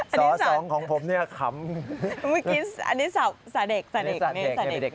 สระสองผมเนี่ยขำเมื่อกี้อันนี้สระเด็กสระเด็กมีสระเด็ก